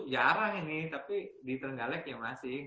jarang ini tapi di terenggalek ya masih